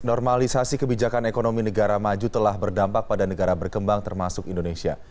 normalisasi kebijakan ekonomi negara maju telah berdampak pada negara berkembang termasuk indonesia